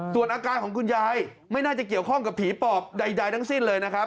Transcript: ส่วนอาการของคุณยายไม่น่าจะเกี่ยวข้องกับผีปอบใดทั้งสิ้นเลยนะครับ